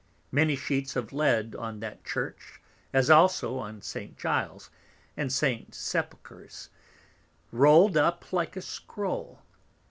Many Sheets of Lead on that Church, as also on St. Giles's and St. Sepulchres, rowled up like a Scroll.